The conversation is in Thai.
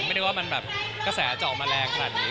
ไม่ได้ว่ามันแบบกระแสจะออกมาแรงขนาดนี้